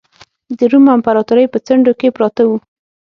د روم امپراتورۍ په څنډو کې پراته وو.